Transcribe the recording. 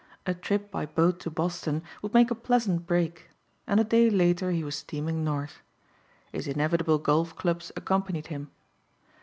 A trip by boat to Boston would make a pleasant break and a day later he was steaming north. His inevitable golf clubs accompanied him.